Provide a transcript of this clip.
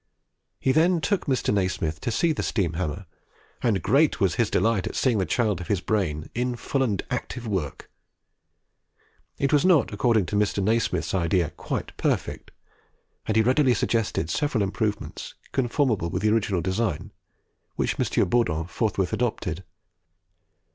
He then took Mr. Nasmyth to see the steam hammer; and great was his delight at seeing the child of his brain in full and active work. It was not, according to Mr. Nasmyth's ideas, quite perfect, and he readily suggested several improvements, conformable with the original design, which M. Bourdon forthwith adopted.